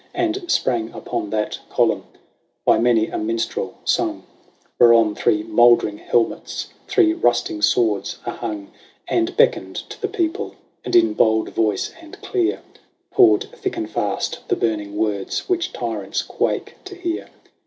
And sprang upon that column, by many a minstrel sung, Whereon three mouldering helmets, three rusting swords, are hung, And beckoned to the people, and in bold voice and clear Poured thick and fast the burning words which tyrants quake to hear.